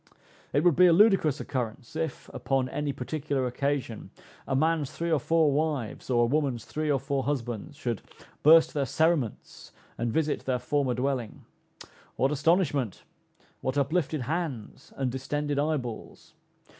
It would be a ludicrous occurrence, if, upon any particular occasion, a man's three or four wives, or a woman's three or four husbands, should "burst their cerements," and visit their former dwelling. What astonishment! What uplifted hands and distended eyeballs!